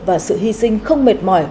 và sự hy sinh không mệt mỏi